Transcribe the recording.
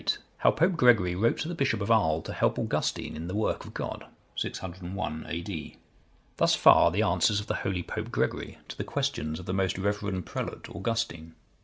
How Pope Gregory wrote to the bishop of Arles to help Augustine in the work of God. [601 A.D.] Thus far the answers of the holy Pope Gregory, to the questions of the most reverend prelate, Augustine.